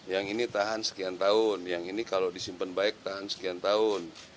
yang ini tahan sekian tahun yang ini kalau disimpan baik tahan sekian tahun